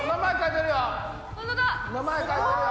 名前書いてるよ。